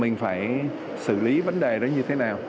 mình phải xử lý vấn đề đó như thế nào